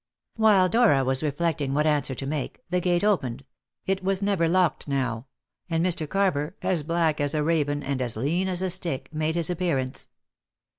While Dora was reflecting what answer to make, the gate opened it was never locked now and Mr. Carver, as black as a raven and as lean as a stick, made his appearance.